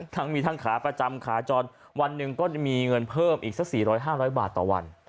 ทั้งมีทั้งขาประจำขาจรวันหนึ่งก็จะมีเงินเพิ่มอีกสัก๔๐๐๕๐๐บาทต่อวัน